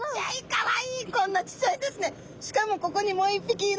かわいい。